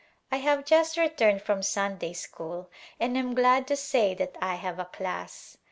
I have just returned from Sunday school and am glad to say that I have a class.